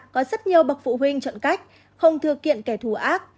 có rất nhiều bậc phụ huynh chọn cách không thưa kiện kẻ thù ác